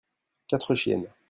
quatre chiennes.